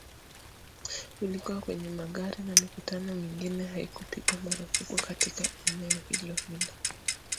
ulikuwa kwenye magari na mikutano mingine haikupigwa marufuku katika eneo hilohilo